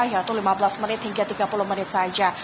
yaitu lima belas menit hingga tiga puluh menit saja